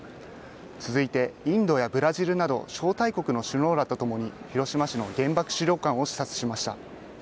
続いてインドやブラジルなど招待国の首脳らとともに広島市の原爆資料館を視察しました。